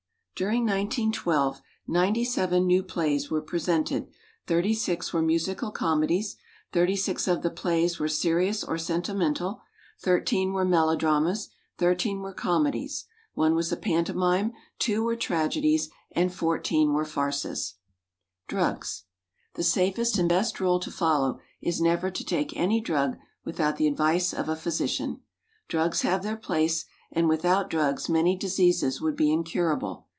= During 1912, 97 new plays were presented; 36 were musical comedies; 36 of the plays were serious or sentimental; 13 were melodramas; 13 were comedies; one was a pantomime; two were tragedies, and 14 were farces. =Drugs.= The safest and best rule to follow is never to take any drug without the advice of a physician. Drugs have their place, and without drugs many diseases would be incurable.